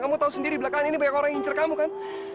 kamu tahu sendiri belakangan ini banyak orang yang incer kamu kan